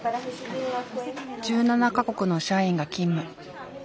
１７か国の社員が勤務。